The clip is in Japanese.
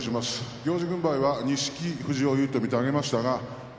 行司軍配は錦富士に有利と見て上げましたが錦